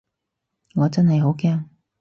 我真係好驚